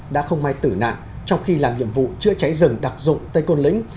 đã không may tử nạn trong khi làm nhiệm vụ chữa cháy rừng đặc dụng tây côn lĩnh